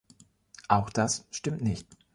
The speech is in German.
Auch das stimmt nicht.